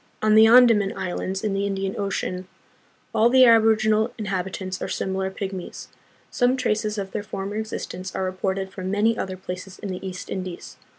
On the Andaman Islands in the Indian Ocean, all the aborig inal inhabitants are similar pygmies. Some traces of their former existence are reported from many other places in the East Indies.